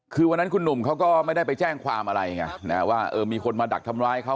คือวันนั้นคุณหนุ่มเขาก็ไม่ได้ไปแจ้งความอะไรไงนะว่าเออมีคนมาดักทำร้ายเขา